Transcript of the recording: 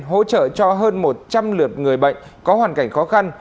hỗ trợ cho hơn một trăm linh lượt người bệnh có hoàn cảnh khó khăn